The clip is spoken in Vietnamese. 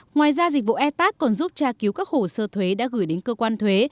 ngoài ra dịch vụ e tax còn giúp tra cứu các hồ sơ thuế đã gửi đến cơ quan thuế